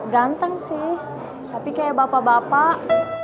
ganteng sih tapi kayak bapak bapak